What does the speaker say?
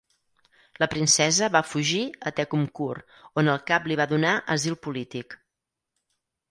La princesa va fugir a Tekkumkur, on el cap li va donar asil polític.